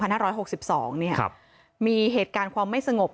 พันห้าร้อยหกสิบสองเนี่ยครับมีเหตุการความไม่สงบ